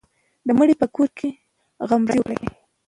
د مړي په کور کې غمرازي وکړئ.